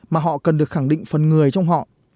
mà họ cần được khẳng định phần người trong họ